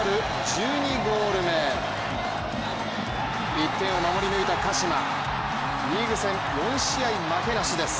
１点を守り抜いた鹿島、リーグ戦４試合負けなしです。